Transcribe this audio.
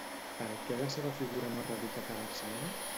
Per què la seva figura no ha radicat a Barcelona?